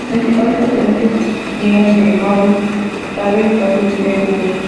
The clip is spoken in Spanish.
Sus principales influencias vienen de Maurice Ravel y Claude Debussy.